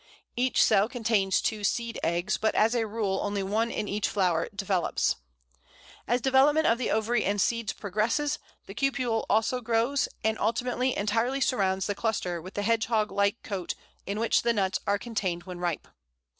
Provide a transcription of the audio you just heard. Each cell contains two seed eggs, but as a rule only one in each flower develops. As development of the ovary and seeds progresses, the cupule also grows, and ultimately entirely surrounds the cluster with the hedgehog like coat in which the nuts are contained when ripe.